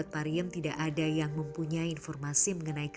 tak apa apa selamat tinggal k